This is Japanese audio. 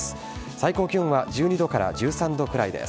最高気温は１２度から１３度くらいです。